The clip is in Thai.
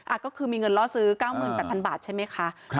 อ่ะก็คือมีเงินล่อซื้อเก้าหมื่นแปดพันบาทใช่ไหมคะครับ